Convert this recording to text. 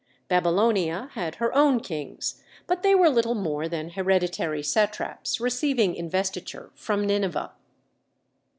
Babylonia had her own kings, but they were little more than hereditary satraps receiving investiture from Nineveh.